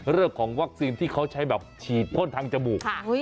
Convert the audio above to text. เรื่องของวัคซีนที่เขาใช้แบบฉีดพ่นทางจมูก